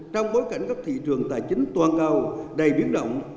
trong bối cảnh các thị trường tài chính toàn cầu đầy biến động